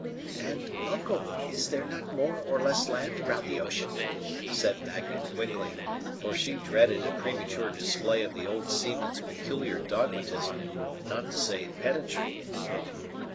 "And, uncle, is there not more or less land around the ocean?" said Magnet quickly; for she dreaded a premature display of the old seaman's peculiar dogmatism, not to say pedantry.